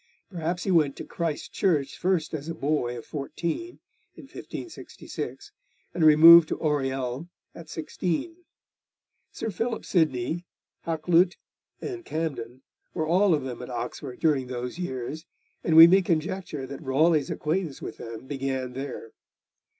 Perhaps he went to Christ Church first as a boy of fourteen, in 1566, and removed to Oriel at sixteen. Sir Philip Sidney, Hakluyt, and Camden were all of them at Oxford during those years, and we may conjecture that Raleigh's acquaintance with them began there.